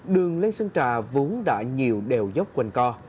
đường lên sơn trà vốn đã nhiều đèo dốc quần co